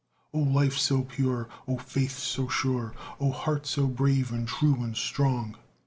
O life so pure! O faith so sure! O heart so brave, and true, and strong!